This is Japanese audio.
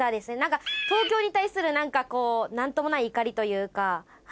東京に対する何かこう何ともない怒りというかハイ。